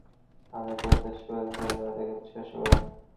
অন্ধ্র প্রদেশ ভাগের বিরোধীরা রাজ্যসভার ওয়েলে নেমে এসে বিল আটকানোর চেষ্টা করেন।